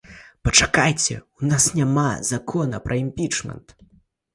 Пачакайце, у нас няма закона пра імпічмент.